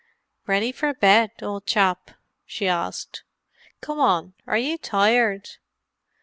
"Ready for bed, old chap?" she asked. "Come on—are you tired?"